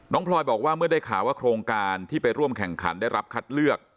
พลอยบอกว่าเมื่อได้ข่าวว่าโครงการที่ไปร่วมแข่งขันได้รับคัดเลือก